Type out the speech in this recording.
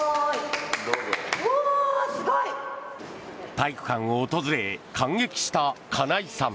体育館を訪れ感激した金井さん。